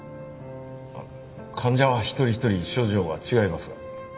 患者は一人一人症状が違いますが。